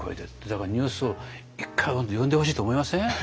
だからニュースを１回読んでほしいと思いません？